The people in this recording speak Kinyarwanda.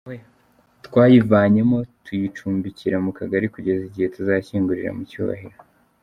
Twayivanyemo tuyicumbikira mu Kagali kugeza igihe tuzashyingurira mu cyubahiro.